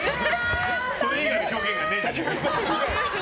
それ以外の表現がねえな。